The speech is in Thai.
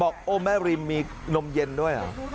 โอ้แม่ริมมีนมเย็นด้วยเหรอ